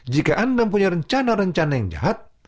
jika anda mempunyai rencana rencana yang jahat